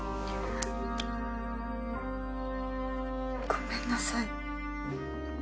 ごめんなさい。